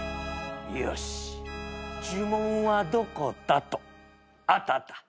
よし呪文はどこだと。あったあった。